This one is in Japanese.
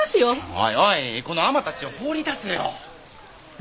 おいおいこのアマ達を放り出せよ！